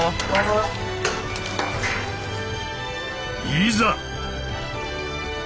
いざ！